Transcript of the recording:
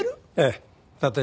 ええ。